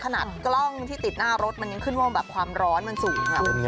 ขนาดกล้องที่ติดหน้ารถมันยังขึ้นว่าแบบความร้อนมันสูง